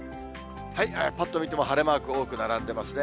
ぱっと見ても晴れマーク、多く並んでますね。